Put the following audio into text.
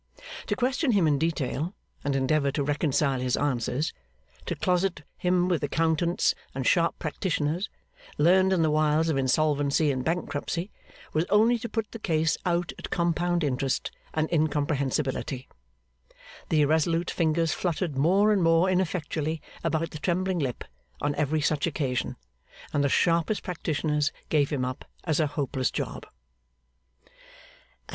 To question him in detail, and endeavour to reconcile his answers; to closet him with accountants and sharp practitioners, learned in the wiles of insolvency and bankruptcy; was only to put the case out at compound interest and incomprehensibility. The irresolute fingers fluttered more and more ineffectually about the trembling lip on every such occasion, and the sharpest practitioners gave him up as a hopeless job.